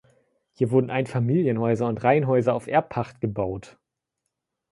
Hier wurden Einfamilienhäuser und Reihenhäuser auf Erbpacht gebaut.